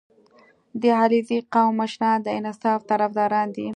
• د علیزي قوم مشران د انصاف طرفداران دي.